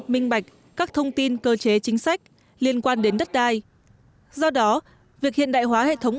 minh bạch các thông tin cơ chế chính sách liên quan đến đất đai do đó việc hiện đại hóa hệ thống